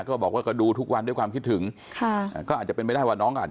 ก็บอกว่าก็ดูทุกวันด้วยความคิดถึงค่ะอ่าก็อาจจะเป็นไปได้ว่าน้องอาจ